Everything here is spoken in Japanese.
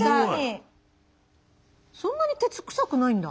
そんなに鉄臭くないんだ。